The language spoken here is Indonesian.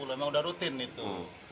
emang udah rutin itu